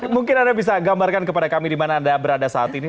mungkin anda bisa gambarkan kepada kami di mana anda berada saat ini